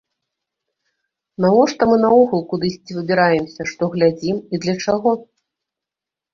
Навошта мы наогул кудысьці выбіраемся, што глядзім і для чаго?